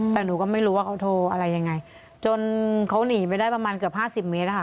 แต่หนูก็ไม่รู้ว่าเขาโทรอะไรยังไงจนเขาหนีไปได้ประมาณเกือบห้าสิบเมตรนะคะ